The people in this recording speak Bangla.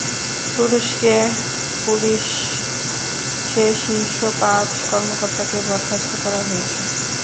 তুরস্কে পাঁচ পুলিশ কর্মকর্তা বরখাস্ততুরস্কে পুলিশের শীর্ষ পাঁচ কর্মকর্তাকে বরখাস্ত করা হয়েছে।